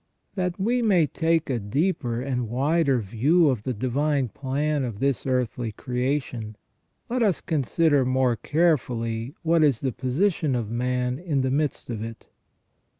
That we may take a deeper and wider view of the divine plan of this earthly creation, let us consider more carefully what is the position of man in the midst of it.